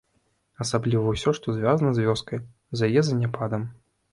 Асабліва ўсё, што звязана з вёскай, з яе заняпадам.